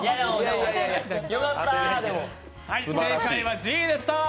正解はＧでした。